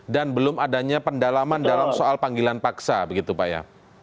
dan belum adanya pendalaman dalam soal panggilan paksa begitu pak ya